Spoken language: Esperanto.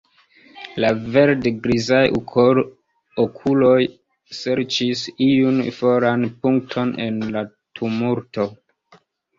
La verd-grizaj okuloj serĉis iun foran punkton en la tumulto.